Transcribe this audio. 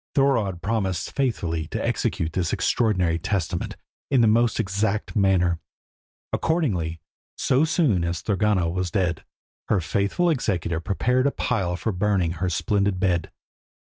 Thorodd promised faithfully to execute this extraordinary testament in the most exact manner. Accordingly, so soon as Thorgunna was dead, her faithful executor prepared a pile for burning her splendid bed.